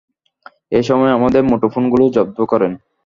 এ সময় আমাদের মুঠোফোনগুলো জব্দ করেন।